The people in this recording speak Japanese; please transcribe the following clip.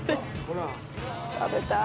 食べたい。